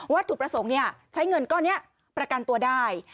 ถูกประสงค์ใช้เงินก้อนนี้ประกันตัวได้